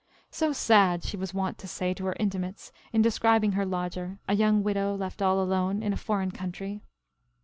"So sad," she was wont to say to her intimates in describing her lodger, "a young widow left all alone in a foreign country."